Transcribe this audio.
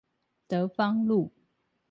德芳路